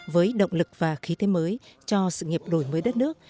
với động lực và khí thế mới cho sự nghiệp đổi mới đất nước